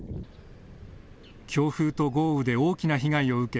強風と豪雨で大きな被害を受け